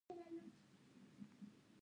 هغه هغې ته د صادق لمحه ګلان ډالۍ هم کړل.